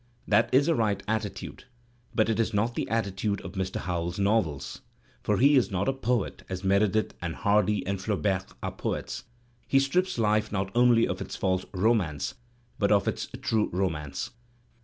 That is a right attitude, but it is not the attitude of Mr. Howells's novels, for he is not a poet, as Meredith land Hardy and Flaubert are poets. He strips life not only •of its false romance but of its true romance.